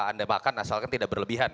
anda makan asalkan tidak berlebihan